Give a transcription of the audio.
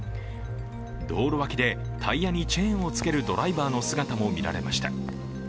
道路脇でタイヤにチェーンをつけるドライバーの姿も見られました。